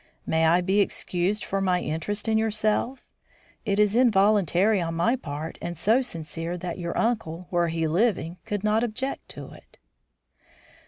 May I be excused for my interest in yourself? It is involuntary on my part and so sincere that your uncle, were he living, could not object to it."